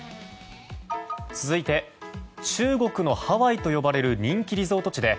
続いて中国のハワイと呼ばれる人気リゾート地で